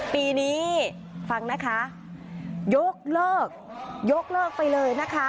ปีนี้ฟังนะคะยกเลิกยกเลิกไปเลยนะคะ